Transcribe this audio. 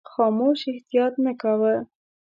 خاموش احتیاط نه کاوه.